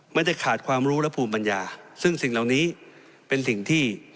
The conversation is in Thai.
ไม่ได้ขาดความรู้และภูมิปัญญาซึ่งสิ่งเหล่านี้เป็นสิ่งที่